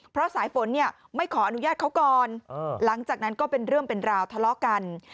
เพราะสายฝนเนี่ยไม่ขออนุญาตเขาก่อนหลังจากนั้นก็เป็นเรื่องเป็นราวทะเลาะกัน